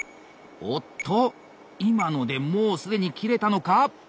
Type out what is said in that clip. おおっと今のでもう既に切れたのか？